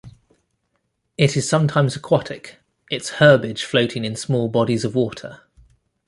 It is sometimes aquatic, its herbage floating in small bodies of water.